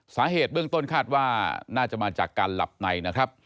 สาเหตุเบื้องต้นคาดว่าน่าจะมาจากการหลับในนะครับ